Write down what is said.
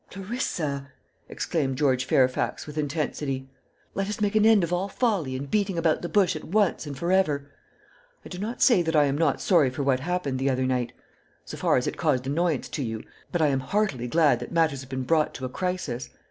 "Clarissa," exclaimed George Fairfax, with intensity, "let us make an end of all folly and beating about the bush at once and for ever. I do not say that I am not sorry for what happened the other night so far as it caused annoyance to you but I am heartily glad that matters have been brought to a crisis.